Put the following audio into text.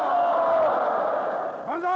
万歳！